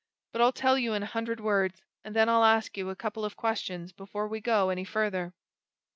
But I'll tell you in a hundred words and then I'll ask you a couple of questions before we go any further."